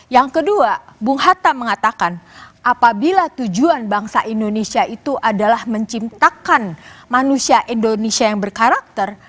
yang kedua bung hatta mengatakan apabila tujuan bangsa indonesia itu adalah menciptakan manusia indonesia yang berkarakter